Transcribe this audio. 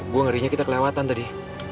gue ngerinya kita kelewatan tadi